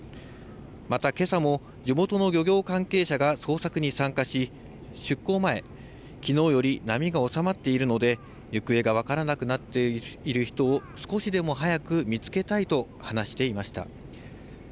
また、けさも地元の漁業関係者が捜索に参加し、出港前、きのうより波が収まっているので、行方が分からなくなっている人を少しでも早く見つけたいと話していました。